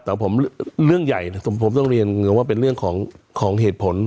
แต่ผมเรื่องใหญ่ผมต้องเรียนว่าเป็นเรื่องของเหตุผล